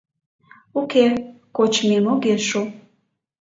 — Уке, кочмем огеш шу.